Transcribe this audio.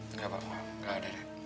enggak pak enggak ada